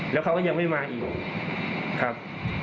แล้วเขาก็ยังไม่มาอีกครับ